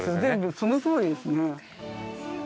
そのとおりですね。